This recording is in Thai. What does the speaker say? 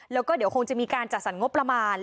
แล้วก็เดี๋ยวคงจะมีการจัดสรรงบประมาณ